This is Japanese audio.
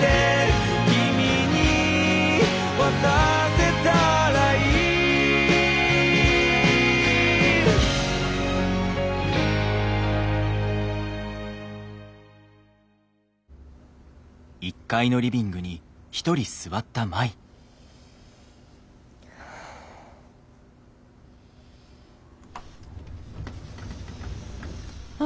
「君に渡せたらいい」ああ。